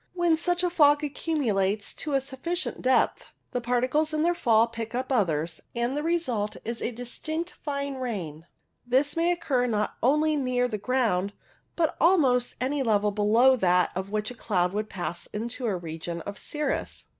When such a fog accumulates to a sufficient depth, the particles in their fall pick up others, and the result is a distinct fine rain. This may occur not only near the ground, but at almost any level below that at which the cloud would pass into the region of cirrus.